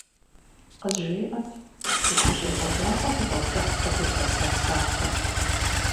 КъызжеӀэт, ухущӀегъуэжакъэ дыгъуэпшыхь къыдупэса псалъэм?